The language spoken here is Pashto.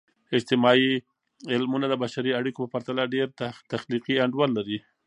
اجتماعي علمونه د بشري اړیکو په پرتله ډیر تخلیقي انډول لري.